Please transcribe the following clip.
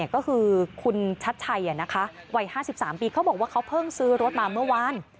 ก็คือคุณชัดชัยวัย๕๓ปีเขาบอกว่าเขาเพิ่งซื้อรถมาเมื่อวาน